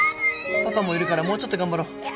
パパもいるからもうちょっと頑張ろう。